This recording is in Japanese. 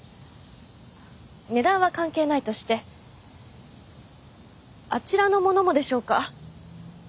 値段は関係ないとしてあちらの物もでしょうか？